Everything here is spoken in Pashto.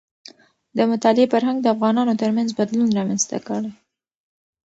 د مطالعې فرهنګ د افغانانو ترمنځ بدلون رامنځته کړي.